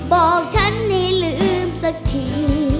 บอกฉันให้ลืมสักที